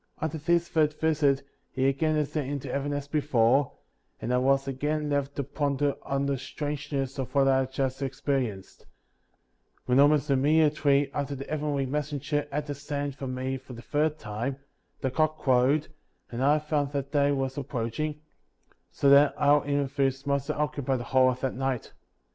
47. After this third visit, he again ascended into heaven as before, and I was again left to ponder on the strangeness of what I had just experienced; "when almost immediately after the heavenly mes ^ senger had ascended from me for the third time, the cock crowed, and I found that day was approaching, so that our interviews must have occupied* the whole of that night.